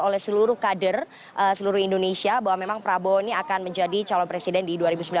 oleh seluruh kader seluruh indonesia bahwa memang prabowo ini akan menjadi calon presiden di dua ribu sembilan belas